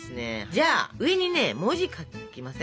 じゃあ上にね文字を書きません？